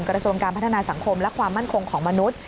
กระทรวงการพัฒนาสังคมและความมั่นคงของมนุษย์